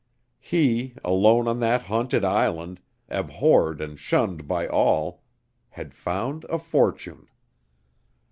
He, alone on that haunted island, abhorred and shunned by all, had found a fortune!